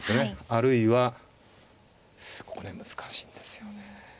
あるいはここね難しいんですよね。